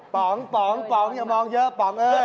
ปล่อยจะมองเยอะปล่อย